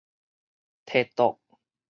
提桌